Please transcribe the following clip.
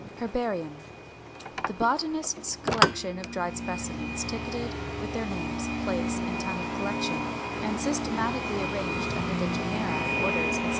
§ 2. HERBARIUM. 567. The botanist's collection of dried specimens, ticketed with their names, place, and time of collection, and systematically arranged under their genera, orders, etc.